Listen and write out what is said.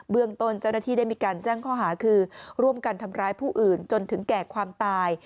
ตนเจ้าหน้าที่ได้มีการแจ้งข้อหาคือร่วมกันทำร้ายผู้อื่นจนถึงแก่ความตาย